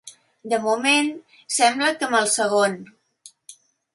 De moment sembla que amb el segon.